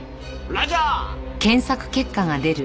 ラジャー！